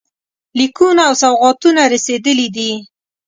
لیکونه او سوغاتونه رسېدلي دي.